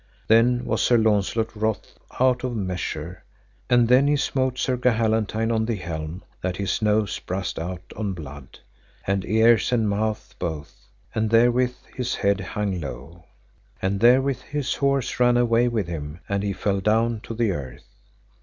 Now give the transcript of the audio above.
Then was Sir Launcelot wroth out of measure, and then he smote Sir Gahalantine on the helm that his nose brast out on blood, and ears and mouth both, and therewith his head hung low. And therewith his horse ran away with him, and he fell down to the earth.